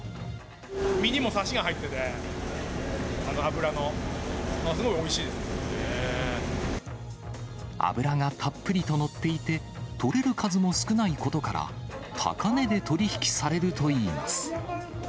身にもさしが入ってて、脂がたっぷりと乗っていて、取れる数も少ないことから、高値で取り引きされるといいます。